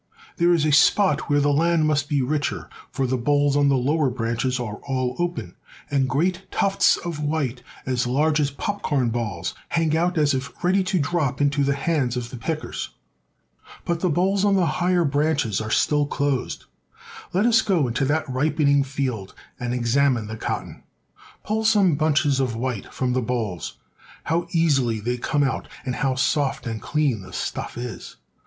There is a spot where the land must be richer, for the bolls on the lower branches are all open, and great tufts of white, as large as pop corn balls, 112 THE SOUTH. hang out as if ready to drop into the hands of the pickers. But the bolls on the higher branches are still closed. J: Let us go into that ripening field and examine the cot ton. Pull some bunches of white from the bolls. How easily they come out, and how soft and clean the stuff is!